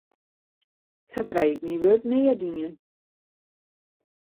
Sa krij ik myn wurk nea dien.